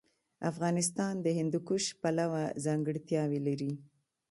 افغانستان د هندوکش پلوه ځانګړتیاوې لري.